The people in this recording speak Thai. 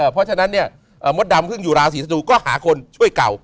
เพราะฉะนั้นเนี่ยมดดำเพิ่งอยู่ราศีธนูก็หาคนช่วยเก่า